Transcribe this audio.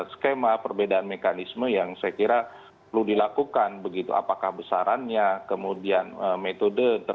skema perbedaan mekanisme yang saya kira perlu dilakukan begitu apakah besarannya kemudian metode